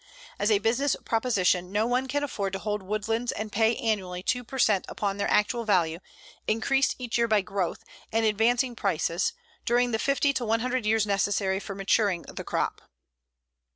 As a business proposition, no one can afford to hold woodlands and pay annually 2 per cent upon their actual value, increased each year by growth and advancing prices, during the fifty to one hundred years necessary for maturing the crop.